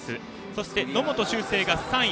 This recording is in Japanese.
そして、野本周成が３位。